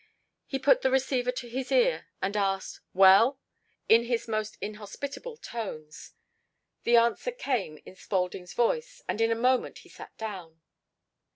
He put the receiver to his ear and asked, "Well?" in his most inhospitable tones. The answer came in Spaulding's voice, and in a moment he sat down.